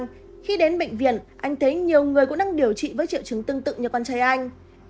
nhưng đến bệnh viện anh thấy nhiều người cũng đang điều trị với triệu chứng tương tự như con trai anh